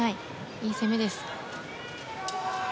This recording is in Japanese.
いい攻めです。